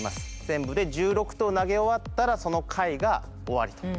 全部で１６投投げ終わったらその回が終わりと。